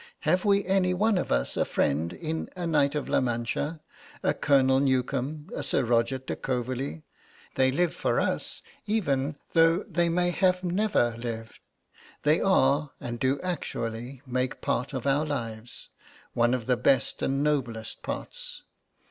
Have we any one of us a friend in a Knight of La Mancha, a Colonel Newcome, a Sir Roger de Coverley? They live for us even though they may have never lived. They are, and do actually make part of our lives, one of the best and noblest parts.